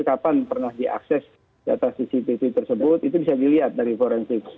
kapan pernah diakses di atas cctv tersebut itu bisa dilihat dari forensik